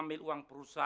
aku bilang keluar